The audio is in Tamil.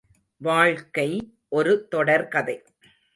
வாழ்க்கை ஒரு தொடர்கதை.